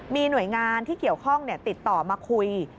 มีหน่วยงานที่เกี่ยวข้องติดต่อมาคุย